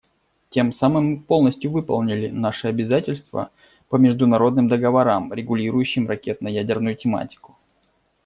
Тем самым мы полностью выполнили наши обязательства по международным договорам, регулирующим ракетно-ядерную тематику.